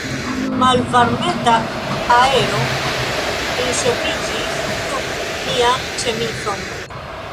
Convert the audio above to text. Malvarmeta aero enŝoviĝis sub mian ĉemizon.